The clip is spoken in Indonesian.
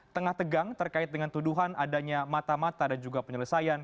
tengah tegang terkait dengan tuduhan adanya mata mata dan juga penyelesaian